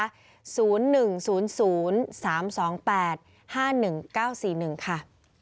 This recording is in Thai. รักษาคุณแม่ค่ะ